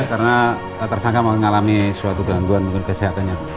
karena tersangka mau ngalami suatu gangguan menurut kesehatannya